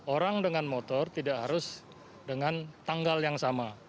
orang dengan motor tidak harus dengan tanggal yang sama